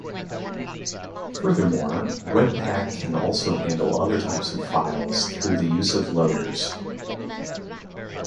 Furthermore, webpack can also handle other types of files through the use of loaders.